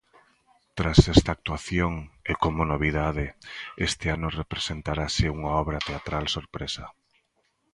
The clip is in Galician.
Tras esta actuación, e como novidade, este ano representarase unha obra teatral sorpresa.